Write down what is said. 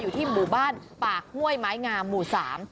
อยู่ที่หมู่บ้านปากห้วยไม้งามหมู่สาม